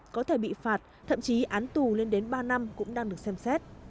có thể bị phạt thậm chí án tù lên đến ba năm cũng đang được xem xét